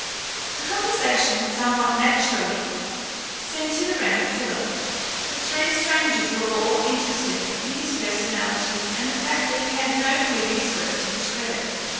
The conversation somewhat naturally centered around Philip. The three strangers were all interested in his personality and the fact that he had no previous work to his credit.